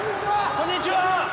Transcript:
こんにちは。